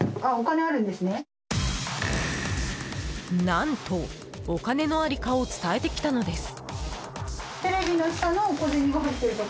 何と、お金のありかを伝えてきたのです。